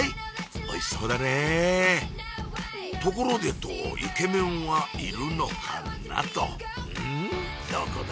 おいしそうだねところでとイケメンはいるのかなとんどこだ？